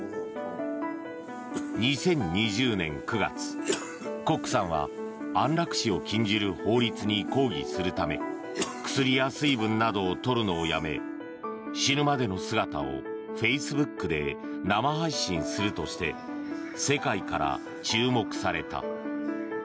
２０２０年９月、コックさんは安楽死を禁じる法律に抗議するため薬や水分などを取るのをやめ死ぬまでの姿をフェイスブックで生配信するとして世界から注目された。